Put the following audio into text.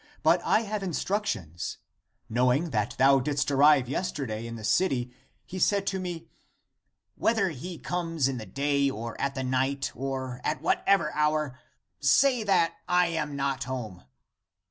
But I have in structions : Knowing that thou didst arrive yester 74 THE APOCRYPHAL ACTS day In the city, he said to me, * Whether he comes in the day or at night, or at whatever hour, say that I. am not at home.'